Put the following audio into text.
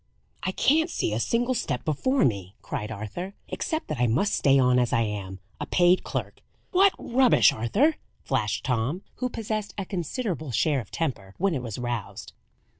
"I can't see a single step before me," cried Arthur. "Except that I must stay on as I am, a paid clerk." "What rubbish, Arthur!" flashed Tom, who possessed a considerable share of temper when it was roused.